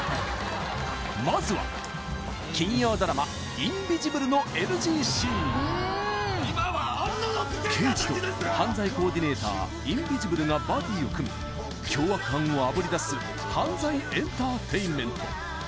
まずは金曜ドラマ「インビジブル」のＮＧシーン刑事と犯罪コーディネーターインビジブルがバディを組み凶悪犯をあぶりだす犯罪エンターテインメント